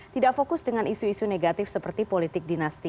tidak fokus dengan isu isu negatif seperti politik dinasti